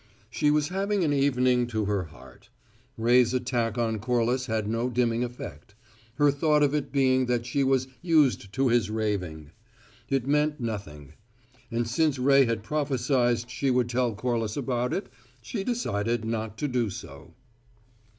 She was having an evening to her heart. Ray's attack on Corliss had no dimming effect; her thought of it being that she was "used to his raving"; it meant nothing; and since Ray had prophesied she would tell Corliss about it, she decided not to do so.